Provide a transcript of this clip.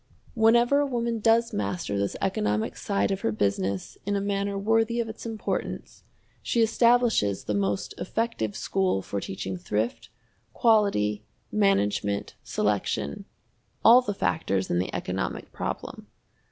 Whenever a woman does master this economic side of her business in a manner worthy of its importance, she establishes the most effective school for teaching thrift, quality, management, selection all the factors in the economic problem.